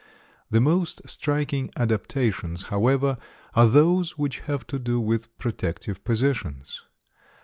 The most striking adaptations, however, are those which have to do with protective positions.